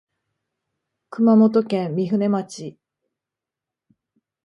熊本県御船町